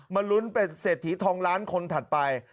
ลุ้นเป็นเศรษฐีทองล้านคนถัดไป